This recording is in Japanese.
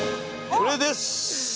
これです！